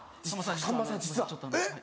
さんまさん実はちょっとはい。